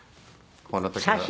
この時の。